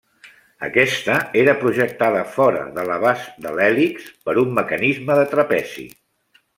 Aquesta era projectada fora de l'abast de l'hèlix per un mecanisme de trapezi.